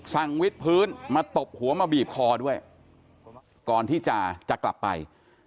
วิทย์พื้นมาตบหัวมาบีบคอด้วยก่อนที่จะจะกลับไป